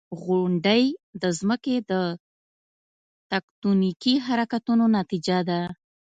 • غونډۍ د ځمکې د تکتونیکي حرکتونو نتیجه ده.